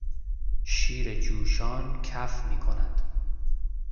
شیر جوشان کف میکند.